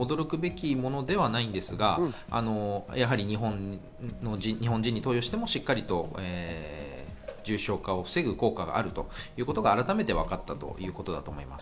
この結果は特に驚くべきものではないですが、やはり日本人に投与しても、しっかりと重症化を防ぐ効果があるということが改めて分かったということだと思います。